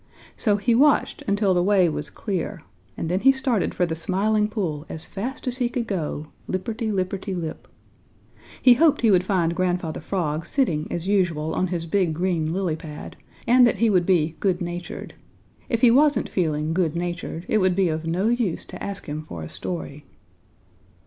So he watched until the way was clear, and then he started for the Smiling Pool as fast as he could go, lipperty lipperty lip. He hoped he would find Grandfather Frog sitting as usual on his big green lily pad, and that he would be good natured. If he wasn't feeling good natured, it would be of no use to ask him for a story.